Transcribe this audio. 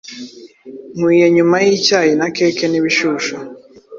Nkwiyenyuma yicyayi na keke nibishusho